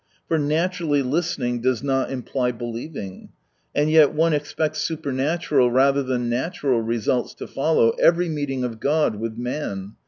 For naturally listening does not imply believing. And yet one expects supernatural rather than natural results to follow every "meeting "of God with man.